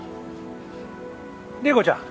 麗子ちゃん